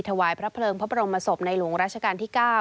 ถวายพระเพลิงพระบรมศพในหลวงราชการที่๙